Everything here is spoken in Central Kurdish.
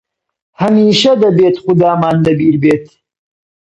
هەمیشە دەبێت خودامان لە بیر بێت!